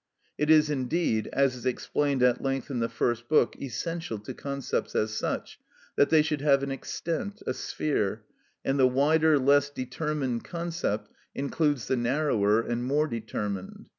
It is indeed, as is explained at length in the first book, essential to concepts, as such, that they should have an extent, a sphere, and the wider, less determined concept includes the narrower and more determined.